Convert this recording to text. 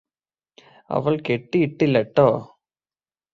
അവള് കെട്ടിയിട്ടില്ലട്ടോ